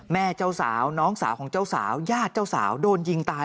แม่เจ้าสาวน้องสาวของเจ้าสาวญาติเจ้าสาวโดนยิงตาย